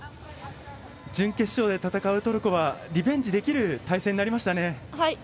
準決勝で戦うトルコはリベンジできる対戦になりましたね。